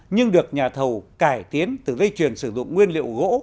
nhưng được nhà thầu cải tiến từ dây chuyền sử dụng nguyên liệu gỗ